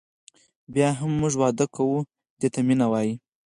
بیا هم موږ واده کوو دې ته مینه وایي.